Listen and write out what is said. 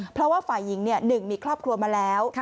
เพราะว่าฝ่ายหญิง๑มีครอบครัวมาแล้ว